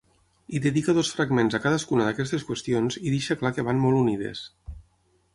Hi dedica dos fragments a cadascuna d'aquestes qüestions i deixa clar que van molt unides.